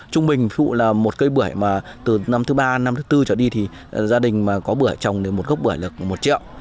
trung bình ví dụ là một cây bưởi mà từ năm thứ ba năm thứ tư trở đi thì gia đình có bưởi trồng đến một gốc bưởi lực một triệu